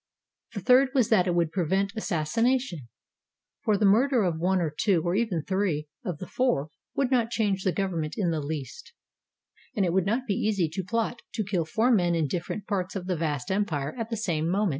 The third was that it would prevent assassina tion, for the murder of one or two or even three of the four would not change the government in the least; and it would not be easy to plot to kill four men in different parts of the vast empire at the same moment.